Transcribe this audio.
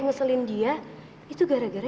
ngeselin dia itu gara gara